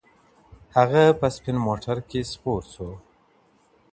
هغه په سپین موټر کې سپور شو.